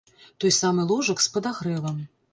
Той самы ложак з падагрэвам.